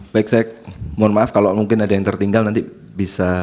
baik saya mohon maaf kalau mungkin ada yang tertinggal nanti bisa